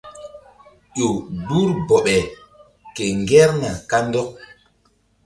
Ƴo gbur bɔɓe ke ŋgerna kandɔk.